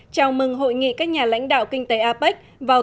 chào mừng hội nghị các nhà lãnh đạo kinh tế apec vào